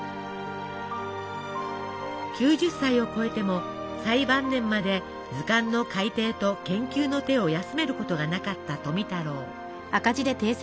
９０歳を超えても最晩年まで図鑑の改訂と研究の手を休めることがなかった富太郎。